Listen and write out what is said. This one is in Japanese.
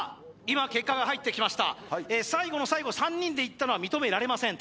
今結果が入ってきました最後の最後３人でいったのは認められません